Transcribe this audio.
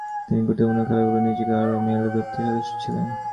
তিনি গুরুত্বপূর্ণ খেলাগুলোয় নিজেকে আরও মেলে ধরতে সচেষ্ট ছিলেন।